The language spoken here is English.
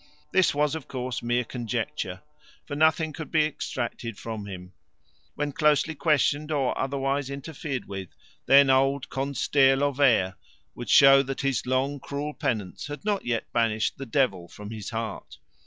This was, of course, mere conjecture, for nothing could be extracted from him. When closely questioned or otherwise interfered with, then old Con stair Lo vair would show that his long cruel penance had not yet banished the devil from his heart.